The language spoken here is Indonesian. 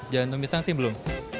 jantung pisang sih belum